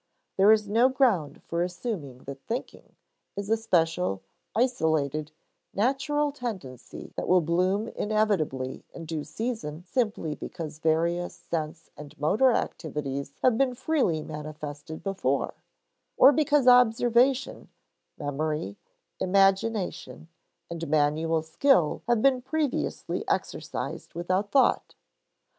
There is no ground for assuming that "thinking" is a special, isolated natural tendency that will bloom inevitably in due season simply because various sense and motor activities have been freely manifested before; or because observation, memory, imagination, and manual skill have been previously exercised without thought.